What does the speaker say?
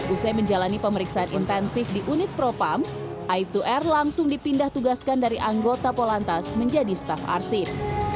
usai menjalani pemeriksaan intensif di unit propam aib dua r langsung dipindah tugaskan dari anggota polantas menjadi staf arsip